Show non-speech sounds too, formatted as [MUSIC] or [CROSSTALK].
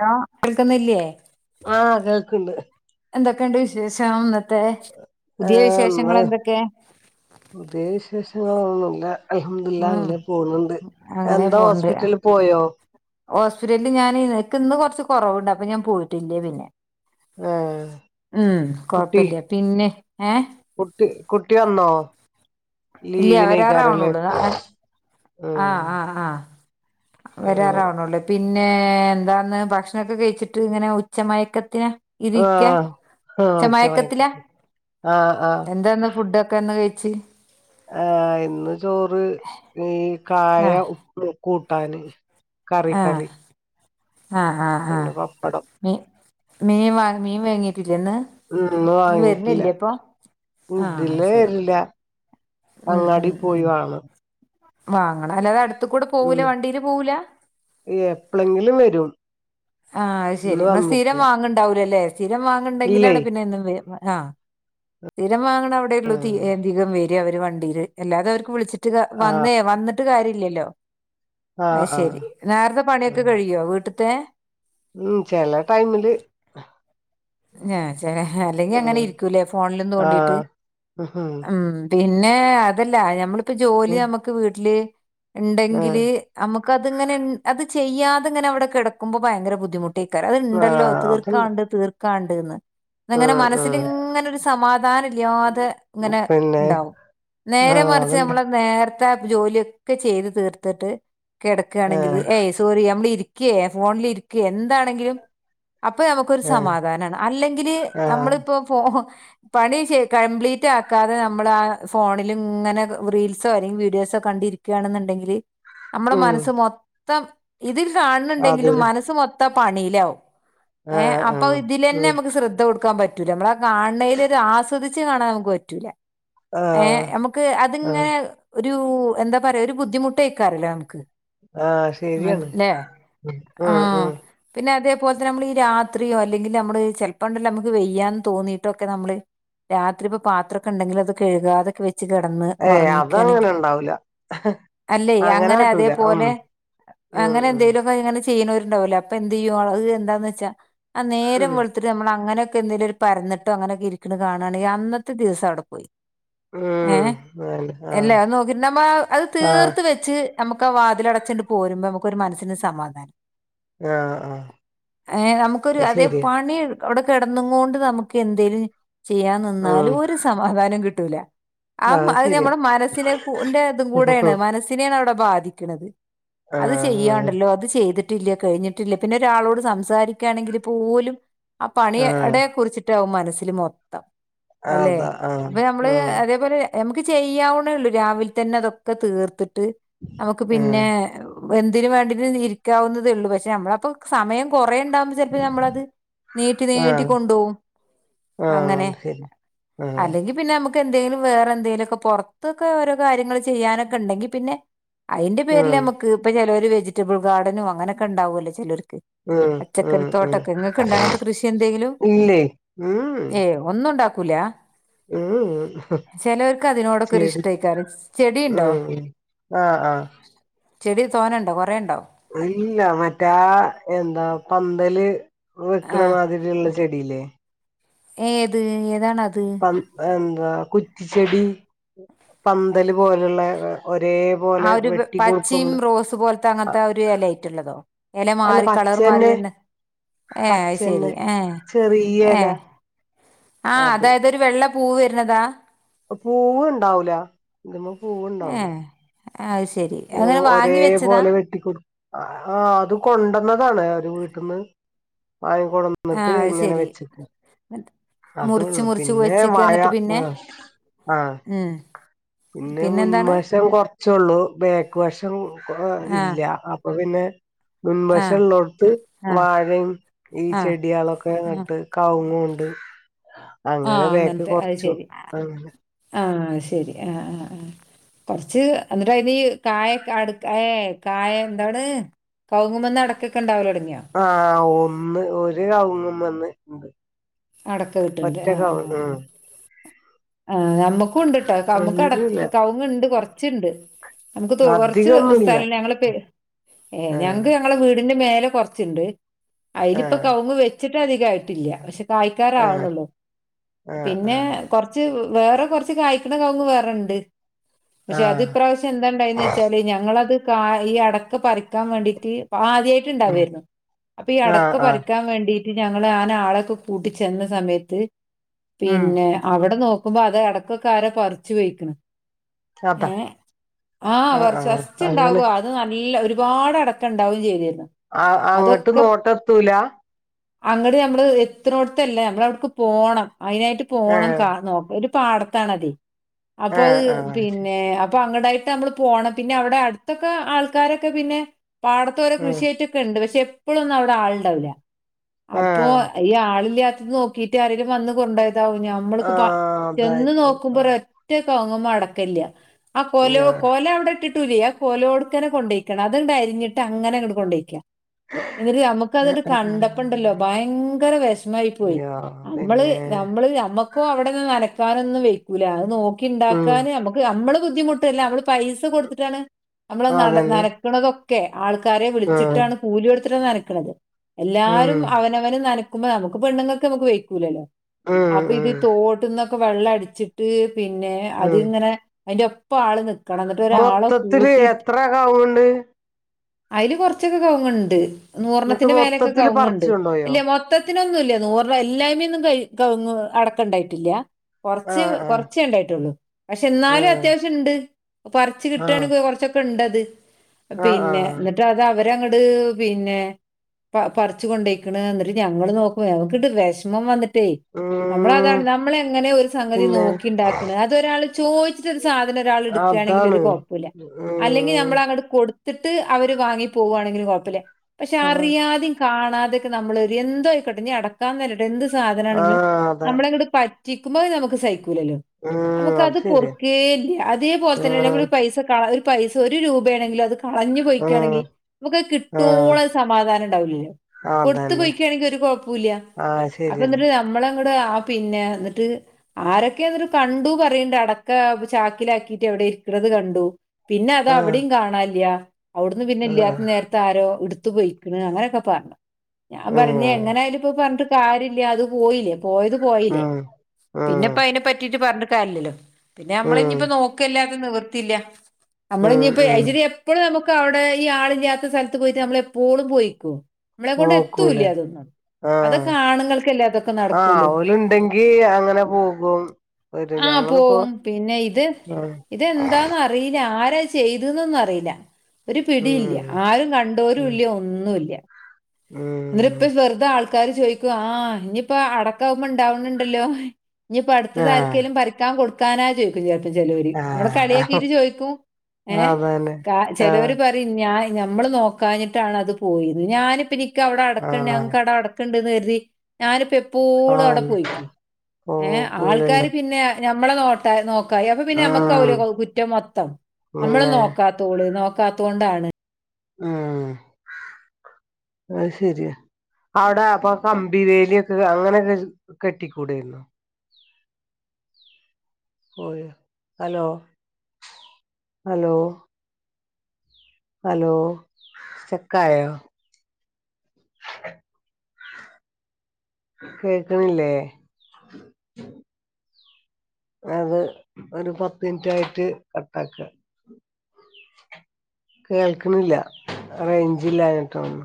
Hello കേൾക്കന്നില്ലേ ആഹ് കേൾക്കണ്ട് എന്തൊക്കെയുണ്ട് വിശേഷം ഇന്നത്തെ പുതിയ വിശേഷങ്ങൾ എന്തൊക്കെ പുതിയവിശേഷങ്ങളൊന്നുമില്ല അൽഹംദുലില്ലാഹ് ഉം അങ്ങനെ പോന്നുണ്ട് അങ്ങനെ എന്താ പോണ്ട് ഹോസ്പിറ്റലിൽ പോയോ ഹോസ്പിറ്റലിൽ ഞാന് എനക്ക് ഇന്ന് കുറച്ച് കുറവുണ്ട് അപ്പൊ ഞാൻ പോയിട്ടില്ലേ പിന്നെ ഏഹ് ഉം കുട്ടി കൊഴപ്പില്ല പിന്നെ ഏഹ് കുട്ടി കുട്ടി വന്നോ ഇല്ല ലീവിനേക്കാരല്ലേ വരാറാവണുള്ളൂ ആഹ് ആഹ് വരാറാവണോല്ലേ പിന്നെ എന്താന്ന് ഭക്ഷണൊക്കെ കഴിച്ചിട്ട് ഇങ്ങനെ ഉച്ച മയക്കത്തിന ഇരിക്കെ ആഹ് ആഹ് ഒച്ച ഉച്ചമയക്കത്തില മയക്കം ആഹ് ആഹ് എന്താന്ന് ഫുഡൊക്കെ ഇന്ന് കഴി ച്ച് ആഹ് ഇന്ന് ചോറ് ഈ ആഹ് കായം ഉ കൂട്ടാന് കറി ആഹ് കറി ആഹ് ആഹ് പിന്നെ ആഹ് പപ്പടം മി മീൻ വ മീൻ വേങ്ങിട്ടില്ലേന്ന് ഉം ഇന്ന് മീൻ വാങ്ങിട്ടില്ല വരുന്നില്ലേ ഇപ്പൊ ആഹ് ഇതിലേ ശരി വരില്ല ഉം അങ്ങാടി ഉം ഉം പോയി വാങ്ങ വാങ്ങണം അല്ലാതെ അടുത്ത് കൂടെ പോവൂല വണ്ടീയില് പോകൂല എപ്പളങ്കിലും വരും ആഹ് അത് ഇന്ന് ശരി ന സ്ഥിരം വന്നിട്ടില്ല വാങ്ങണ്ടാവലില്ലല്ലേ സ്ഥിരം ഇല്ലേ വാങ്ങണ്ടെങ്കിലാണ് പിന്നെ എന്നും വരും ആഹ് സ്ഥിരം വാങ്ങണം അവിടെയുള്ളൂ തി ആഹ് തികം വര് അവര് വണ്ടീയില് അല്ലാതെ അവർക്ക് വിളിച്ചിട്ട് ട്ട് വന്നേ വന്നിട്ട് കാര്യം ഇല്ലല്ലോ ആഹ് ആഹ് അയ്ശെരി നേരത്തെ പണിയൊക്കെ ആഹ് കഴിയുവോ വീട്ടത്തെ ഉം ചെില ടൈമില് ഞ അല്ലെങ്കി അങ്ങനെ ഉം ഇരിക്കൂലേ ഫോണിലും പോണ്ടീട്ട് ആഹ് ഉം പിന്നെ അതല്ല ഞമ്മളിപ്പോ ജോലി ഉം നമ്മുക്ക് വീട്ടില് ആഹ് ണ്ടെങ്കില് നമുക്ക അത്ങ്ങനെ അത് ചെയ്യാതെ ഇങ്ങനെവിടെ കെടക്കുമ്പോ ഭയങ്കര ബുദ്ധിമുട്ട് കുട്ടിക്കാർ അത് ഇണ്ടല്ലോ ആഹ് അതുണ്ട് തീർക്കാണ്ട് തീർക്കാണ്ട്ന്ന് അങ്ങനെ ഉം മനസ്സിൽ ഉം ഇങ്ങനെ ഒരു സമാധാനം ഇല്ലാതെ ഇങ്ങനെ പിന്നെ ണ്ടാവും നേരെ ആഹ് മറിച്ച് അതുണ്ട് നമ്മളെ നേര ജോലിയൊക്കെ ചെയ്ത് തീർത്തിട്ട് കിടക്കണെങ്കിൽ ആഹ് സോറി നമ്മൾ ഇരിക്കേ ഫോണിൽ ഇരിക്കേ എന്താണെങ്കിലും അപ്പൊ നമുക്കൊരു ആഹ് സമാധാന അല്ലെങ്കിൽ ആഹ് നമ്മളിപ്പോ പോ പണി കംപ്ലീറ്റ് ആക്കാതെ നമ്മൾ ആ ഫോണിലും ഇങ്ങനെ റീൽസോ അല്ലെങ്കിൽ വീഡിയോസോ കണ്ടിരിക ണണ്ടെങ്കിൽ നമ്മുടെ ഉം മനസ്സ് മൊത്തം ഇതിൽ അത് കാണുന്നുണ്ടെങ്കിലും മനസ്സ് മൊത്തം ത്ത പണീലവും ആഹ് ആഹ് അപ്പൊ ഇതിലന്നെ ഉം നമുക്ക് ശ്രദ്ധ കൊടുക്കാൻ പറ്റൂല നമ്മളെ കാണെയ് ല് ആസ്വദിച്ച് കാണാൻ നമുക്ക് പറ്റൂല ഏഹ് ആഹ് നമുക്ക് അതിങ്ങെ ആഹ് ഒരു എന്താ പറയാ ഒരു ബുദ്ധിമുട്ട്ഴക്കാറല്ലോ നമുക്ക് ആഹ് അത് ശരിയാണ് ല്ലെ ഉം ആഹ് ഉം പിന്നെ അതേപോലെ തെന്നേ മ്മൾ ഈ രാത്രി അല്ലെങ്ക നമ്മള് ചെപ്പോം ഉണ്ടല്ല നമക്ക് വയ്യാന്ന് തോന്നീയിട്ടോ ഒക്കെ നമ്മള് രാത്രി ഇപ്പ പാത്രൊക്കെ ണ്ടെങ്കിൽ അത് കഴുകതെ വേ വച്ച് കിടന്ന് ഏയ് അതങ്ങനെ ഉറങ്ങിക്കയാണെങ്കിൽ ഇണ്ടാവൂല അല്ലേ അങ്ങനെ കാട്ടൂല ഉം അതേപോലെ ഉം അങ്ങനെ ഉം എന്തേലൊക്കെ ഇങ്ങനെ ചെയ്യണുന്നവരുണ്ടാവലേ അപ്പൊ എന്ത അങ്ങനെ എന്തയ്യും അ എന്താന്ന് വെച്ചാ ആ നേരം ഉം വെളു ഇരി നമ്മൾ അങ്ങനെൊെക്കേ എന്തെങ്കിലും ഒരു പരന്നിട്ടോ അങ്ങനെക്കെ ഇരിക്ക കാണുകയാെിൽ അന്നത്തെ ദിവസം അവിടെ പോയി ഏഹ് ഉം അതെന്നെ ആഹ് അല്ലേത് നോക്കിട്ടമ്മ അത് ആഹ് തീർത്ത് വെ ച്ച് നമുക്ക് ആ വാതിൽ അടച്ചിണ്ട് പോരുമ്പോ നമുക്കൊരു മനസ്സിന് സമാധാനം ആഹ് ആഹ് ഒരു അത് അതേ ശരിയാ പണി അവിടെ കെടന്നുങ്ങോണ്ട് നമുക്ക് എന്തേലും ചെയ്യാൻ നിന്നാല് ആഹ് ഒരു സമാ സമാദാനം കിട്ടൂല ആ അത് ഞമ്മളെ മനസ്സിനെ ന്റെ ത് കൂടെയാണ് മനസി നെ ആണ് അവിടെ ബാധിക്കുന്നത് അത് ആഹ് ചെയ്യാണ്ടല്ലോ അത് ചെയ്ത് കഴിഞ്ഞിട്ടില്ല കഴിഞ്ഞിട്ടില്ല പിന്നെ ഒരാളോട് സംസാരിക്കുകയാണെങ്കിൽ പോലും ആ ആഹ് പണിയടെ കുറിച്ചി [UNINTELLIGIBLE] വും മനസ്സിൽ മൊത്തം അല്ലെ അതാ ആഹ് അപ്പോ നമ്മള് ഉം അതേപോലെ നമുക്ക് ചെയ്യാവുണോള്ളു രാവിലെ തന്നെ അതൊക്കെ തീർത്തിട്ട് നമുക്ക് ഉം പിന്നെ എന്തിന് വേണ്ടിം ഇരിക്കാവുന്നതേ ഒള്ളൂ പക്ഷെ നമ്മളപ്പം സമയം കൊറേ ഉണ്ടാവു ചിലപ്പോ നമ്മളത് നീട്ടി ആഹ് നീട്ടി കൊണ്ടോവും ആഹ് ശരി ആ അല്ലെങ്കിൽ പിന്നെ നമുക്ക് എന്തേലും വേറെ എന്തെങ്കിലൊക്കെ പുറത്തൊക്കെ ഓരോ കാര്യങ്ങൾ ചെയ്യാനൊക്കെ ണ്ടെങ്കിൽ പിന്നെ അയ്ന്റെ പേരില് ഉം നമുക്ക് ഇപ്പം ചെലോര് വെജിറ്റബിൾ ഗാർഡനും അങ്ങനക്കെ ഉണ്ടാവോലോ ചിലർക്ക് ഉം ഉം ഉം ചക്കരത്തോട്ടൊക്കെ ഇങ്ങക്ക്‌ ഉണ്ടോ അങ്ങനത്തെ കൃഷി എന്തെങ്കിലും ഇല്ലേ ഉം ഏയ് ഒന്നും ഉണ്ടാക്കൂല [UNINTELLIGIBLE] ചിലവർക്ക് അതിനോടൊക്കെ ഒരു ചെടി ഇഷ്ടക്കാരം ചെടിയുണ്ടോ ആഹ് ആഹ് ചെടി തോനെണ്ടോ കൊറേ ഉണ്ടോ അയില്ല മറ്റേ എന്താ പന്തല് ആഹ് വെക്കണമാതിരി ള്ള ചെടി ലെ ഏത് ഏതാണ് അത് പ എന്താ കുറ്റിച്ചെടി പന്തല് പോലുള്ള ഒരേ പോലെ വെട്ടികൊടുക്കും നമ്മള് പോസ് പോലത്തെ അങ്ങനത്തെ ഒരു എല ആയിട്ടുള്ളതോ എല അല്ല മാറി കളർ മാറി പച്ചന്നെ വരുന്നേ ഏ അഹ് ശരി പച്ചന്നെ ഏ ഏ ചെറിയല ആ അത് അതായത് വെള്ള പൂവ് വരുന്നതാ പൂവ് ഉണ്ടാവൂല ഇതിമേ പൂവുണ്ടാവൂല അഹ് ശരി ആ അങ്ങനെ ഒരേ വാങ്ങി വെച്ചതാ പോലെ വെട്ടിക്കൊടുക്കും ആഹ അത് കൊണ്ടന്നതാണ് ഒരു വീട്ട്ന്ന് വാങ്ങി കൊടന് ആ ഇന്നട്ട് അത് ഇങ്ങനെ ശരി വെച്ച്ക്ക എന്നിട്ട് മുറിച്ച് അതൊള്ളു മുറിച്ച് പിന്നെ വെച്ചക്ക് മഴ എന്നിട്ട് പിന്നെ ആഹ ആഹ ഉം പിന്നെ പിന്നെന്താണ് മുൻവശം കൊറച്ചൊള്ളൂ ബേക്ക് വശം കോ ആ ഇല്ല അപ്പോ പിന്നെ ആ മുൻവശള്ളോടുത്ത് ആ വാഴം ഈ ആ ചെടിയാളൊക്കെ ആ നട്ട് കവ്ങ്ങുണ്ട് ആ അങ്ങനെ ബേക്ക് കൊറച്ചും അങ്ങനെ ആഹ അഹ് ശരി ആഹ ആഹ ആഹ കൊറച്ച് എന്നിട്ടയ്ന് കായ അടു ഏ കായ എന്താണ് കൗവുങ്ങുമെന്ന് അടക്കക്കെ ഉണ്ടാവലോടങ്ങിയോ ആഹ ഒന്ന് ഒരു കവ്ങ്ങുമന്ന് ഉണ്ട് അടക്ക കിട്ടിണ്ട് ഒറ്റ ആഹ് കവുങ്ങ് ആ ആ ആഹ നമുക്കും ഉണ്ട് ട്ടോ കമുക അങ്ങനെല്ല അടക്ക കവുങ്ങ്ണ്ട് കൊറച്ചുണ്ട് നമുക്ക് കുറച്ച് അധികൊന്നുല്ല സ്ഥലം ഞങ്ങൾ പേ ഏ ഞങ്ങൾക്ക്‌ ആഹ് ഞങ്ങ ഞങ്ങളുടെ വീടിന്റെ മേലെ കുറച്ച്ണ്ട് അയിൽപ്പം ആഹ് കവുങ്ങ് വെച്ചിട്ട് അധികായിട്ടില്ല പക്ഷേ കായ് ആഹ് ക്കാറാവുന്നോള്ളൂ പിന്നെ ആഹ് കൊറച്ച് വേറെ കൊറച്ച് കായ്ക്കണ കവുങ്ങ് വേറെണ്ട് ആഹ് പക്ഷെ അത് ആഹ് ഇപ്രാവശ്യം എന്താണ്ടായന്ന് വെച്ചാല് ഞങ്ങളത് കായ് ഈ അടക്ക പറിക്കാൻ വേണ്ടിട്ട് ആദ്യായി ഉം ണ്ടാവേരുന്നു അപ്പോ ഈ ആഹ് അടക്ക ആഹ് പറിക്കാൻ വേണ്ടിട്ട് ഞങ്ങൾ ആന അ ആളെക്കെ കു കൂട്ടിച്ചെന്ന സമയത്ത് ഉം പിന്നെ അവിടെ നോക്കുമ്പോ അത് അടക്കയൊക്കാരോ പറിച്ച് പോയിക്കണ് അതാ ഏ ആ ആഹ് വെർച്ച് ആഹ് അങ്ങനെ വെശ്ചിണ്ടാവോ ആൾ ത് നല്ല ഒരുപാട് അടക്കണ്ടാവേം ചെയ്തിന്ന് ആ അങ്ങട്ട് നോട്ടെത്തൂല അങ്ങട് ഞമ്മള് എത്ത്ണോടത്തല്ല ഞമ്മളവിടക്ക് പോണം അയിനായിട്ട് പോണം ഏഹ് കാ നോ ഒരു പാടത്താണതെ അപ്പോ ഏഹ് അ ആഹ് ശരി പിന്നെ അപ്പൊ അങ്ങടായി ട്ടമ്മള് പോണം പിന്നെ അവിടെ അടുത്തൊക്കെ ആൾക്കാരൊക്കെ പിന്നെ പാടത്തോരോ ആഹ് കൃഷിയായിട്ട് ക്ക്ണ്ട് പക്ഷെ എപ്പളെന്നും അവിടെ ആളുണ്ടാവില്ല അപ്പോ ആഹ് ഈ ആൾ ളില്യാത്ത നോക്കിട്ട് ആരേലും വന്ന് കൊണ്ടോയതാവും ഞമ്മള്ക്ക് പ്പ ആഹ് ചെന്ന് അതായിരിക്കും നോക്കുമ്പോ ആഹ് ഒരൊ റ്റ കവുങ്ങുമ്മേ അടക്കില്ല ആ കൊലോ യാ കോല അവിടെ ട്ടി ട്ടുരിയ കൊലോടുക്കനെ കൊണ്ടോയ്ക്കണേ അതങ്ങട്ട് അരിഞ്ഞട്ട് അങ്ങനെ അങ്ങട്ട് കൊണ്ടോയ്ക ന്നിട്ട് ഞ ആഹ് മ്മക്കത്ണ്ട് ആഹ് കണ്ടപ്പണ്ടല്ലോ ആഹ് ഭയങ്കര വെശ് മായിപോയി യാ നമ്മള് പിന്നെ നമ്മള് ഞമ്മക്കോ അവിടെ നനക്കാനൊന്നും വെയ്ക്കൂല അത് നോ ഉം ക്കിണ്ടാക്കാന് നമുക്ക് നമ്മള് ബുദ്ധിമുട്ട്ല്ല നമ്മള് പൈസ കൊടുത്തിട്ടാണ് നമ്മളത് നന അതന്നെ ക്കണതൊക്കെ ആൾക്കാരെ ആഹ് വിളിച്ചിട്ടാണ് കൂലി കൊടുത്തിട്ട നനക്കണത് ഉം എല്ലാരും അവനവ വന വര്നനക്കുമ്പ നമ്മുക്ക് പെണ്ണുങ്ങക്ക് മ്മുക്ക് വെയ്ക്കൂലല്ലോ ഉം അഭിത് ഉം തോട്ടുന്ന് വെള്ളടിച്ചിട്ട് പിന്നെ ഉം അതിങ്ങനെ അതിന്റെ ഒപ്പ ആള് നി ക്കണം എന്നിട്ട് ഒരാളെ മൊത്തത്തില് കൂട്ടിട്ട് എത്ര കാവുണ്ട് അയില് കൊറച്ചൊക്കെ കവുങ്ങുണ്ട് എന്നിട്ട് നൂറണ്ണത്തിന്റെ മേലൊക്കെ മൊത്തത്തില് പറിച്ച് കവുങ്ങുണ്ട് കൊണ്ടോയോ ഇല്ലേ മൊ ത്തിനൊന്നുല്ല നൂറ് എല്ലായ്മേന്നും കഴി കവുങ്ങ് അടക്കണ്ടായിട്ടില്ല കൊറച്ച് ആഹ് കൊറച്ചേണ്ടായിട്ടുള്ളൂ പക്ഷെ എന്നാലും ആഹ് അത്യാവശ്യണ്ട് പറിച്ച് ആഹ് ആഹ് കിട്ട്വാണെങ്കി കൊറച്ചൊക്കെണ്ടത് ആഹ് പിന്നെ ആഹ് ന്നിട്ട് അ ത അവരങ്ങട് പിന്നെ പറിച്ച്കൊണ്ടയിക്കണ് ന്നിട്ട് ഞ ഞങ്ങള് നോക്കുമ്പേ ഞങ്ങക്കങ്ങിട്ട് വെഷമം വന്നിട്ടേ ഉം നമ്മളതാണ് നമ്മളെ ങ്ങനെ ഒരു സംഗതി പിന്നെ നോക്കിണ്ടാക്കണ്അതൊരാള് ചോദിച്ചോരു സാധന ഒരാളെടുക്കയാണെങ്കിലൊരു അതാണ് കൊഴപ്പില്ല അല്ലെങ്കി ഉം ഞമ്മളങ്ങട്ട് കൊടു ത്തിട്ട് അവര് വാങ്ങി പോവാണെങ്കിലും കൊഴപ്പില്ല പക്ഷെ ആഹ് അറിയാതെയും കാണാതെ ഒക്കെ നമ്മള് എന്തോ ആയിക്കോട്ടെ നീ അടക്കാന്നരട്ടെ എന്ത് സാധനാണെങ്കിലും ആഹ് അതെ നമ്മളെ ങ്ങട്ട് പ റ്റിക്കുമബേ ഇതനമുക്ക് സൈക്കൂലല്ലോ നമുക്ക് ഉം അത് ശരിയാ പൊറുക്കെലൃ അതേപോലെ തന്നെ നമ്മള് ആഹ് ഒരു പൈസ കാണാ ഒരു പൈസ ഒരു രൂപയാണെങ്കിലും അത് കളഞ്ഞു പോയിക്കയാണെങ്കി ആഹ് നമുക്ക് ആഹ് കിട്ടുവോളം സമാധാനണ്ടാവില്ലല്ലോ കൊട് ത്ത് അതന്നെ പോയ്ക്കയാണെങ്കി ഒരു കൊഴപ്പോയില്ല ആഹ് അപ്പൊ ശരിയന്നെ എന്നിട്ട് നമ്മളങ്ങട്ട് ആ പിന്നെ എന്നിട്ട് ആരൊക്കെയോ എന്നിട്ടു കണ്ടു പറയണ്ട് അടക്ക ചാക്കിലാക്കിയിട്ട് എവിടെയോ ഇരിക്കണത് കണ്ടു പിന്നെ അത് ആഹ് അവിടെംകാണനില്ല അവിടുന്ന് പിന്നെ ആഹ് ഇല്ലാത്ത നേര ത്താരോ എടുത്തുപൊയിക്കണ് അങ്ങനെയൊക്കെ പറഞ്ഞു. ഞാൻ ഉം പറഞ്ഞ്എങ്ങനെയാലും ഇപ്പൊ പറഞ്ഞിട്ട് കാരില്യ അത് പോയില്ലേ പോയത് പോയില്ലേ ഉം പിന്നെ ഉം ഇപ്പ അയിനെ പറ്റിട്ട് പറഞ്ഞിട്ട് കാര്യല്ലല്ലോ പിന്നെ നമ്മള ഉം ഇഞ്ഞിപ്പോ നോക്കല്ലാതെ നിവർത്തില്ല. നമ്മള് ഉം ഇഞ്ഞിപ്പം ഉം അയ്ശരിഎപ്പളും നമുക്ക് അവിടെ ഈ ആളില്ലാത്ത സ്ഥലത്ത് പോയിട്ട് നമ്മളെ എപ്പോളും പോയികേ? നമ്മളെ കൊണ്ട് നോക്കൂല എത്തൂല്യാഅതൊന്നും അതൊക്കെ ആണുങ്ങൾക്കല്ലേ അതൊക്കെ നടക്കുള്ളൂ. ഇണ്ടെങ്കി അങ്ങനെ പോകും വരും ആ ഞങ്ങളിപ്പോ പോവും പിന്നെ ഇത് ഇത് ആഹ് ഇതെന്താന്ന റില ആരാ ചെയ്ത് ന്നൊന്നും അറിയില്ല ഒരു പിടിയില്ല ഉം ആരും ഉം കണ്ടോരുയില്ല ഒ ന്നുല്യാ ന്നൊരു ഉം ഇപ്പൊ വെറുതെ ആൾക്കാര് ചോദിക്കും ആ ഇനിയിപ്പോ അടക്കാവുമ്പോ ഇണ്ടാവണ് ണ്ടല്ലോ ഇനിയിപ്പൊ അടുത്തത് ആഹ് ആർക്കേലും പറിക്കാൻ കൊടുക്കാനാ ചോയിക്കും പ്പില്ലാത്ത ചെലോര് നമ്മളെ ആഹ് കളിയാകീട്ട് ചോദിക്കും ഏ അതന്നെ ക ആഹ് ചെലോര് പറ പ്പ ഞ നമ്മള് നോക്കാഞ്ഞിട്ടാണ് അത് പോയത് ഞാനിപ്പ എനിക്ക് അവിടെ അടക്കണ്യ ആഹ് ക്കട അടക്കണ്ടെന്ന് കരുതി ഞാനിപ്പോ എപ്പോഴും അവിടെ ആഹ് പോയികേ? ഏ ആൾക്കാര് പോകൂലല്ലോ പിന്നെ ഞമ്മളെ നോട്ട നോക്കായി അപ്പൊ പിന്നെ ഉം നമ്മുക്കാവൂലെ കുറ്റം മൊത്തം നമ്മള് പിന്നെ നോ ക്കാത്തോള് നോക്കാത്തോണ്ടാണ് ഉം അഹ് ശരിയ അവടെ അപ്പൊ ആ കമ്പി വേലിയൊക്ക് അങ്ങനൊക്കെ കെട്ടിക്കൂടേർന്നൊ. പോയൊ ഹലോ ഹലോ ഹലോ സ്‌റ്റക്കായോ [INAUDIBLE] കേക്ക്ണില്ലേ വാവ് ഒരു പത്ത് മിനിറ്റ് ആയിറ്റ് കട്ടാക്ക കേൾക്ക്ണില്ല റേഞ്ചില്ലാഞ്ഞിട്ട ഒണ്ണു